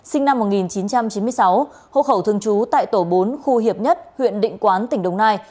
sinh năm một nghìn chín trăm chín mươi sáu hộ khẩu thường trú tại tổ bốn khu hiệp nhất huyện định quán tỉnh đồng nai